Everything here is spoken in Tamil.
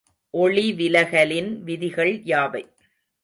ஒளிவிலகலின் விதிகள் யாவை?